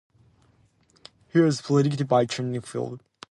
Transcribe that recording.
He was preceded by Chuck Canfield.